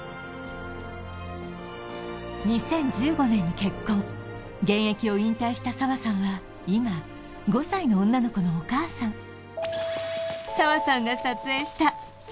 ２０１５年に結婚現役を引退した澤さんは今５歳の女の子のお母さん